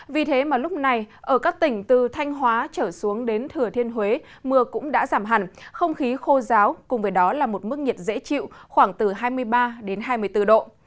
vì thế mà lúc này ở các tỉnh từ thanh hóa trở xuống đến thừa thiên huế mưa cũng đã giảm hẳn không khí khô giáo cùng với đó là một mức nhiệt dễ chịu khoảng từ hai mươi ba đến hai mươi bốn độ